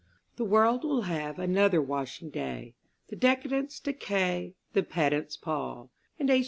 The world will have another washing day; The decadents decay; the pedants pall; And H.